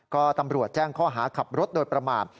ก็ตำรวจแจ้งข้อหาขับรถโดยประมาท